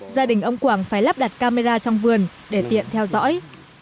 gia đình ông quảng phải lắp đặt camera trong vườn để tiện theo dõi